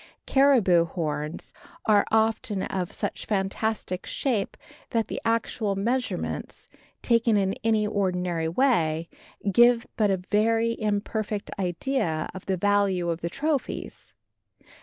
Caribou horns are often of such fantastic shape that the actual measurements, taken in any ordinary way, give but a very imperfect idea of the value of the trophies.